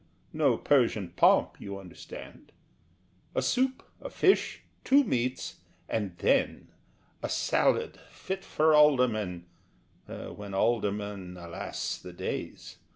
No Persian pomp, you understand A soup, a fish, two meats, and then A salad fit for aldermen (When aldermen, alas, the days!